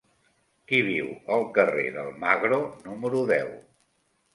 Qui viu al carrer d'Almagro número deu?